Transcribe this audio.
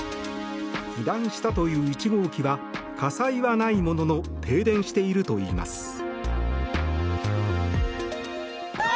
被弾したという１号機は火災はないものの停電しているといいます。